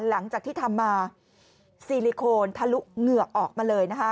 หลังจากที่ทำมาซีลิโคนทะลุเหงือกออกมาเลยนะคะ